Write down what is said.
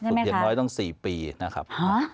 อย่างน้อยต้อง๔ปีนะครับ